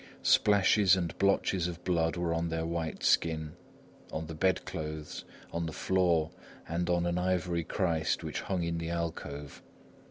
Splashes and blotches of blood were on their white skin, on the bed clothes, on the floor, and on an ivory Christ which hung in the alcove.